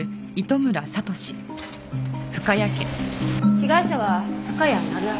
被害者は深谷成章。